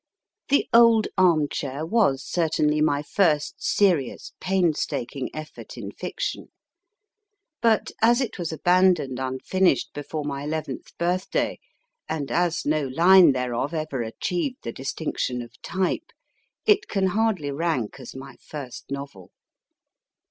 The Old Arm Chair was certainly my first serious, painstaking effort in fiction ; but as it was abandoned unfinished before my eleventh birthday, and as no line thereof ever achieved the distinction of type, it can hardly rank as my first novel.